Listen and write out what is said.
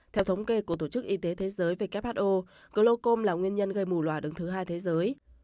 theo thống kê của tổ chức y tế thế giới who glocom là nguyên nhân gây mù loà đứng thứ hai thế giới